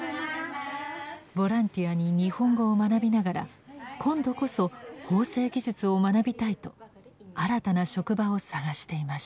ボランティアに日本語を学びながら今度こそ縫製技術を学びたいと新たな職場を探していました。